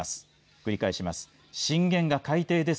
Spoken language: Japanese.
繰り返します。